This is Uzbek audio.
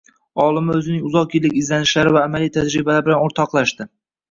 olima o’zining uzoq yillik izlanishlari va amaliy tajribalari bilan o’rtoqlashdi